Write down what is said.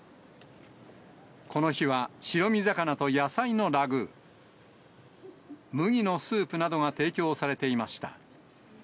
この日は白身魚と野菜のラグー、麦のスープなどが提供されていました。